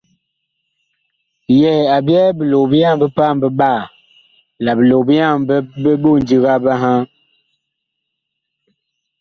Yɛɛ a byɛɛ bilog-bi-yaŋ bi paam biɓaa la bilog-bi-yaŋ bi ɓondiga biŋhaa.